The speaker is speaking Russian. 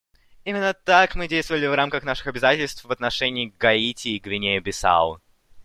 Именно так мы действовали в рамках наших обязательств в отношении Гаити и Гвинеи-Бисау.